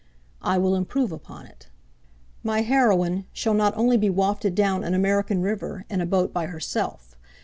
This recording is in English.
I will improve upon it. My heroine shall not only be wafted down an American river in a boat by herself.